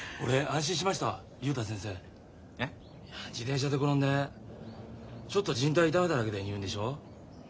自転車で転んでちょっとじん帯痛めただけで入院でしょう？